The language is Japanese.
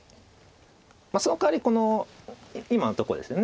そのかわり今のとこですよね。